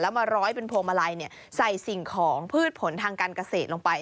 มาร้อยเป็นพวงมาลัยใส่สิ่งของพืชผลทางการเกษตรลงไป